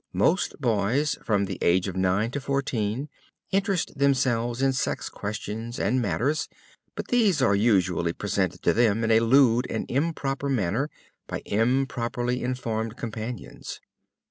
Most boys, from the age of nine to fourteen, interest themselves in sex questions and matters, but these are usually presented to them in a lewd and improper manner, by improperly informed companions.